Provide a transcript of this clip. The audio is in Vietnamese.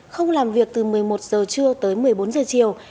không làm việc từ một mươi một h trưa tới một mươi bốn h chiều